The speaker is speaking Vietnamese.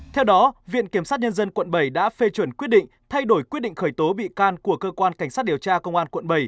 theo đó viện kiểm sát nhân dân quận bảy đã phê chuẩn quyết định thay đổi quyết định khởi tố bị can của cơ quan cảnh sát điều tra công an quận bảy